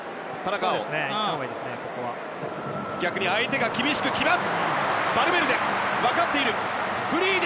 逆に相手も厳しく来る。